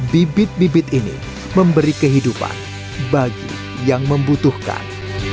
bibit bibit ini memberi kehidupan bagi yang membutuhkan